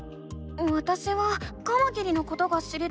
わたしはカマキリのことが知りたいの。